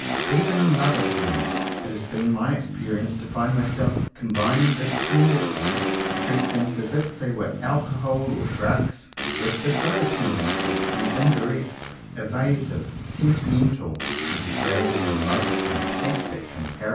Even in love affairs it has been my exper ience to find myself combining this tendency to treat things as if they were alcohol or drugs, with this other tendency to be in direct, evasive, sentimental; and to drag in remote fantastic comparisons.